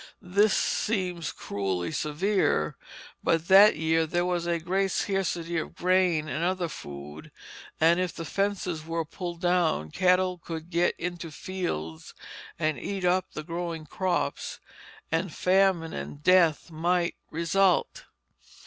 This seems cruelly severe, but that year there was a great scarcity of grain and other food, and if the fences were pulled down, cattle could get into fields and eat up the growing crops, and famine and death might result.